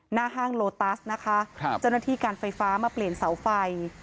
หน้าห้างโลตัสนะคะจนที่การไฟฟ้ามาเปลี่ยนเสาไฟ